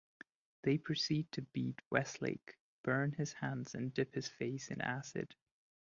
They proceed to beat Westlake, burn his hands and dip his face in acid.